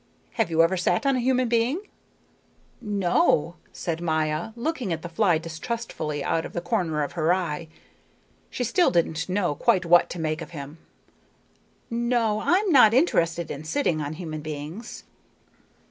Have you ever sat on a human being?" "No," said Maya, looking at the fly distrustfully out of the corner of her eye. She still didn't know quite what to make of him. "No, I'm not interested in sitting on human beings."